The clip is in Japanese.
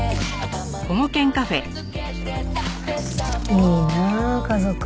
いいなあ家族。